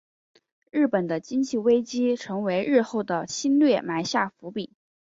日本的经济危机成为日后的侵略埋下伏笔。